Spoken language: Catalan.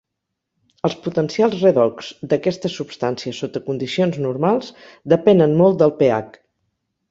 Els potencials redox d'aquestes substàncies sota condicions normals depenen molt del pH.